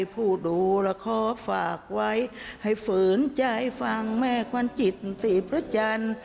ผู้ดูละครฝากไว้ให้ฝืนใจฟังแม่ควันจิตศรีพระจันทร์